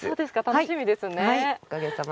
楽しみですね。